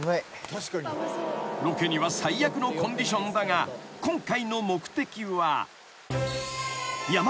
［ロケには最悪のコンディションだが今回の目的は］